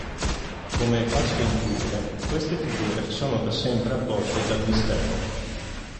Come è facile intuire, queste figure sono da sempre avvolte dal mistero.